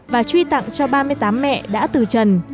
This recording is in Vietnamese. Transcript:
và truy tặng cho ba mươi tám mẹ đã từ trần